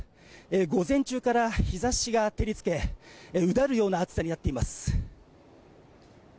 午前中から日差しが照り付けうだるような暑さになっています。